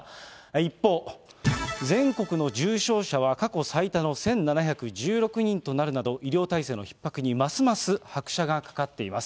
一方、全国の重症者は過去最多の１７１６人となるなど、医療体制のひっ迫にますます拍車がかかっています。